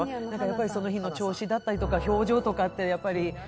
その日の調子だったり、表情とかってやっぱり。